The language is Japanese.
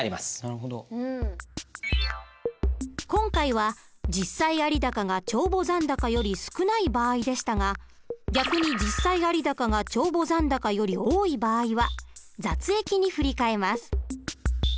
今回は実際有高が帳簿残高より少ない場合でしたが逆に実際有高が帳簿残高より多い場合は「雑益」に振り替えます。